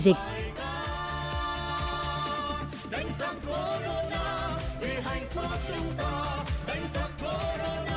vì hạnh phúc chúng ta